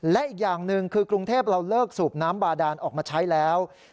และอีกอย่างหนึ่งคือกรุงเทพเราเลิกสูบน้ำบาดานออกมาใช้แล้ว